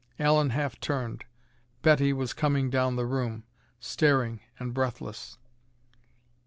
Allen half turned. Betty was coming down the room, staring and breathless.